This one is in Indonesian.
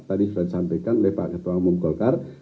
tadi sudah disampaikan oleh pak ketua umum golkar